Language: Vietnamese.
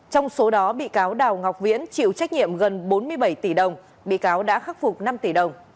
trong số đó bị cáo đào ngọc viễn chịu trách nhiệm gần bốn mươi bảy tỷ đồng bị cáo đã khắc phục năm tỷ đồng